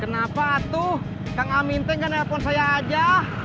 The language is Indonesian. kenapa tuh kang amin teh kan telepon saya aja